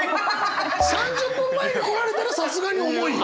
３０分前に来られたらさすがに重いよ！